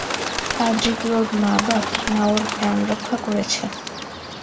পাদ্রি কি ওর মা-বাপ, না ওর প্রাণরক্ষা করেছে?